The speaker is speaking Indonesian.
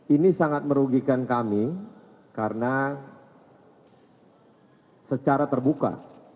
ini sangat merugikan kami karena secara terbuka